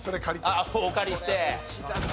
あっお借りして？